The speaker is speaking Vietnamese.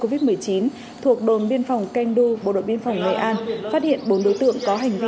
covid một mươi chín thuộc đồn biên phòng ken du bộ đội biên phòng nghệ an phát hiện bốn đối tượng có hành vi